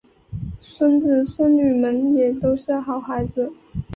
孙子孙女们也都是好孩子